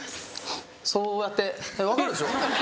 そうやって分かるでしょ？